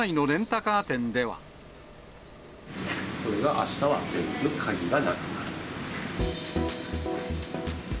これが、あしたは全部鍵がなくなる。